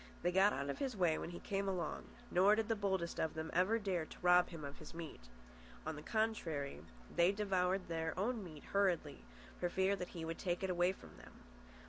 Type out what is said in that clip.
They got out of his way when he came along; nor did the boldest of them ever dare to rob him of his meat. On the contrary, they devoured their own meat hurriedly, for fear that he would take it away from them.